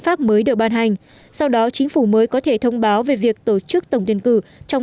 pháp mới được ban hành sau đó chính phủ mới có thể thông báo về việc tổ chức tổng tuyển cử trong